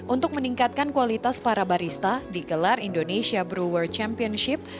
untuk meningkatkan kualitas para barista digelar indonesia brower championship